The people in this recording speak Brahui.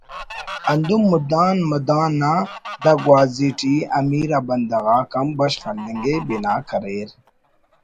ہندن مدان مدان آ دا گوازی ٹی امیر آبندغ آک ہم بشخ ہلنگءِ بنا کریر